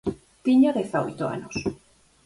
Tiña dezaoito anos.